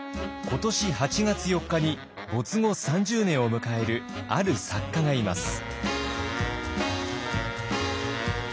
今年８月４日に没後３０年を迎えるある作家がいます。